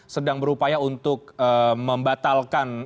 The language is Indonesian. sedang berupaya untuk membatalkan